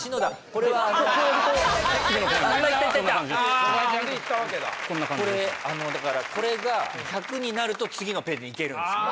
これあのだからこれが１００になると次のページにいけるんですよ